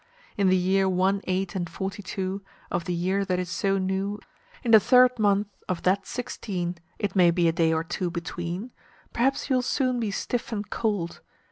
In the year one, eight, and forty two, Of the year that is so new; In the third month of that sixteen, It may be a day or two between Perhaps you'll soon be stiff and cold.